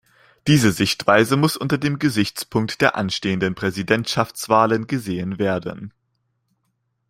Diese Sichtweise muss unter dem Gesichtspunkt der anstehenden Präsidentschaftswahlen gesehen werden.